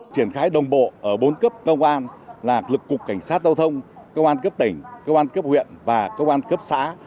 triển khai đồng bộ ở bốn cấp công an là lực cục cảnh sát giao thông công an cấp tỉnh công an cấp huyện và công an cấp xã